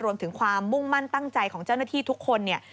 รวมถึงความมุ่งมั่นตั้งใจของเจ้าหน้าที่ทุกคนเนี่ย